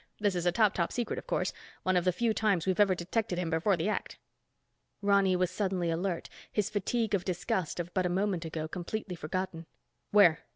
This is a top top secret, of course, one of the few times we've ever detected him before the act." Ronny was suddenly alert, his fatigue of disgust of but a moment ago, completely forgotten. "Where?"